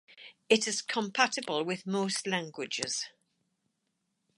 It is compatible with most languages